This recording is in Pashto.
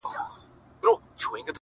اشنـا په دې چــلو دي وپوهـېدم~